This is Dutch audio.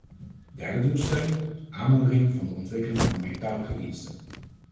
Derde doelstelling: aanmoediging van de ontwikkeling van meertalige diensten.